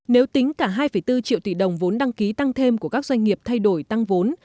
nếu tính cả hai bốn triệu tỷ đồng vốn đăng ký tăng thêm của các doanh nghiệp thay đổi tăng vốn